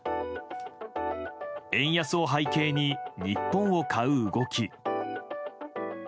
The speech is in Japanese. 円安を背景に日本を買う動き。